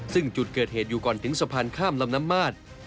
ซึ่งจุดเกิดเหตุอยู่ก่อนถึงสะพานข้ามลำน้ำมาด